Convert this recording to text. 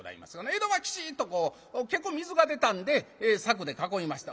江戸はきちっとこう結構水が出たんで柵で囲いました。